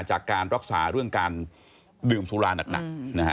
จากการรักษาเรื่องการดื่มสุราหนักนะฮะ